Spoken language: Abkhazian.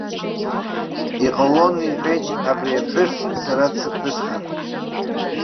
Иҟалон, иҳәеит, абри аԥҳәыс сара дсыԥҳәысхар.